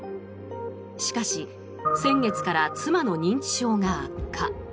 しかし、先月から妻の認知症が悪化。